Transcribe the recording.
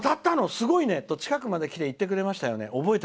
すごいね！と近くまで来て言ってくれましたよね。